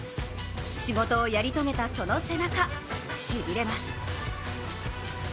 仕事をやり遂げたその背中、しびれます。